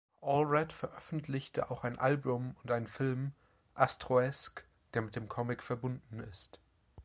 Allred veröffentlichte auch ein Album und einen Film, "Astroesque", der mit dem Comic verbunden ist.